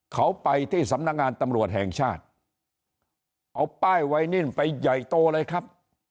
เขาไปที่สำนักงานตำรวจแห่งชาติเอาป้ายไวนิ่นไปใหญ่โตเลยครับ